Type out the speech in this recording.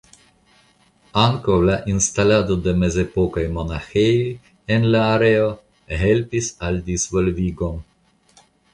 Ankaŭ la instalado de mezepokaj monaĥejoj en la areo helpis la disvolvigon.